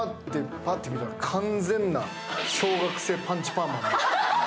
パッと見たら完全な小学生パンチパーマ。